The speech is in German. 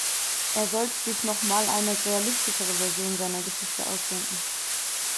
Er sollte sich noch mal eine realistischere Version seiner Geschichte ausdenken.